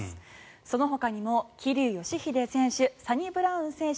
そのほかにも桐生祥秀選手サニブラウン選手